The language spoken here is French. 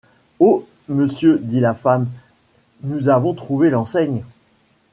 Oh! monsieur, dit la femme, nous avons trouvé l’enseigne.